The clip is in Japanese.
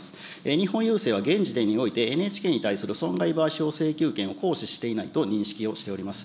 日本郵政は現時点において、ＮＨＫに対する損害賠償請求権を行使していないと認識をしております。